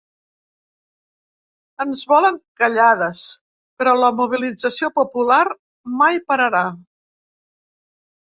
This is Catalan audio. Ens volen callades, però la mobilització popular mai pararà!